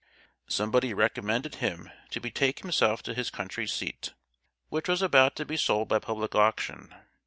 Somebody recommended him to betake himself to his country seat, which was about to be sold by public auction.